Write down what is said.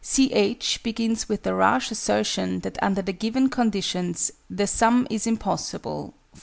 C. H. begins with the rash assertion that under the given conditions "the sum is impossible.